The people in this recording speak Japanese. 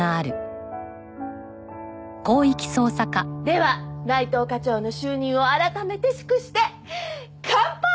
では内藤課長の就任を改めて祝して乾杯！